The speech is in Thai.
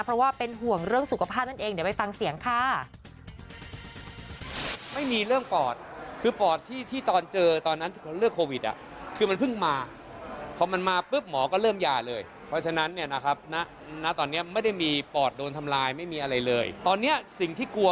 เพราะว่าเป็นห่วงเรื่องสุขภาพนั่นเองเดี๋ยวไปฟังเสียงค่ะ